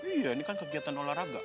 iya ini kan kegiatan olahraga